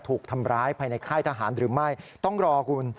ถูกทำร้ายภายในค่ายทหารหรือไม่ต้องรอคุณ